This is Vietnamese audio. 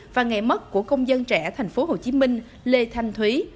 và ngày mất của công dân trẻ tp hcm lê thanh thúy